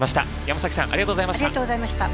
山さんありがとうございました。